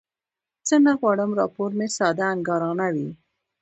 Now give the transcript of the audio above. زه نه غواړم راپور مې ساده انګارانه وي.